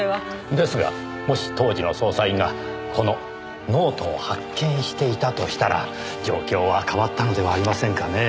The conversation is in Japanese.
ですがもし当時の捜査員がこのノートを発見していたとしたら状況は変わったのではありませんかね？